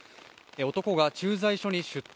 男が駐在所に出頭。